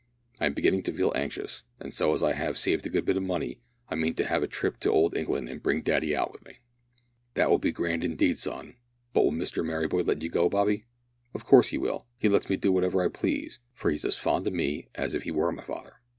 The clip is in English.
I am beginning to feel anxious, and so as I have saved a good bit of money I mean to have a trip to old England and bring Daddy out with me." "That will be grand indeed, my son. But will Mr Merryboy let ye go, Bobby?" "Of course he will. He lets me do whatever I please, for he's as fond o' me as if he were my father."